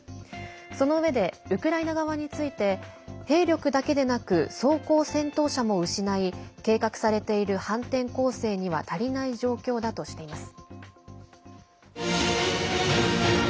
そのうえでウクライナ側について兵力だけでなく装甲戦闘車も失い計画されている反転攻勢には足りない状況だとしています。